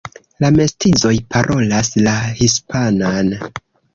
La mestizoj parolas la hispanan.